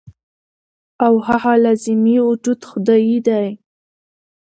او هغه لازمي وجود خدائے دے -